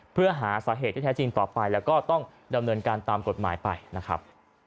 เพื่อหาสาเหตุที่แท้จริงต่อไปแล้วก็ต้องดำเนินการตามกฎหมายไปนะครับ